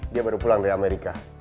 dia baru pulang dari amerika